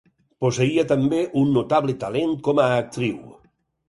Posseïa també un notable talent com a actriu.